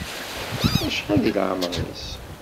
Acḥal deg leɛmer-is?